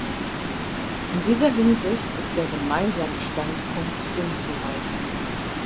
In dieser Hinsicht ist der gemeinsame Standpunkt unzureichend.